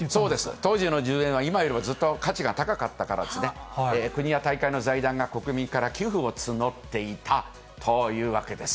当時の１０円は今よりもずっと価値が高かったから、国や大会の財団が、国民から寄付を募っていたというわけです。